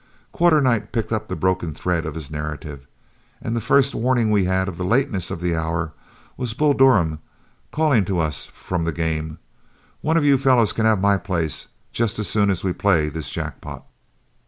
Quarternight picked up the broken thread of his narrative, and the first warning we had of the lateness of the hour was Bull Durham calling to us from the game, "One of you fellows can have my place, just as soon as we play this jack pot.